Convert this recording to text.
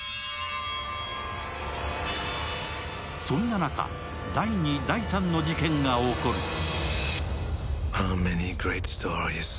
そんな中、第２、第３の事件が起こる。